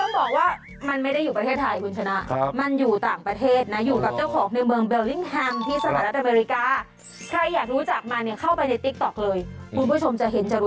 ทำตัวเป็นประโยชน์เลยคุณฉะนั้น